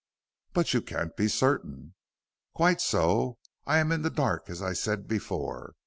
"But you can't be certain?" "Quite so. I am in the dark, as I said before.